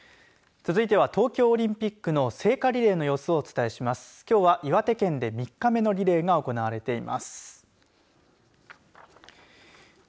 続いては東京オリンピックの聖火リレーの様子をお伝えします。